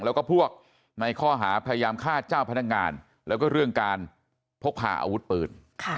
แล้วก็พวกในข้อหาพยายามฆ่าเจ้าพนักงานแล้วก็เรื่องการพกพาอาวุธปืน